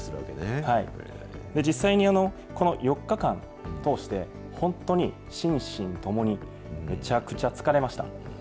実際にこの４日間通して、本当に心身ともにむちゃくちゃ疲れました。